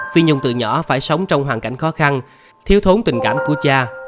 phi nhung từ nhỏ phải sống trong hoàn cảnh khó khăn thiếu thốn tình cảm của cha